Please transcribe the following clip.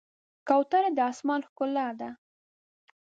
کوترې د آسمان ښکلا ده.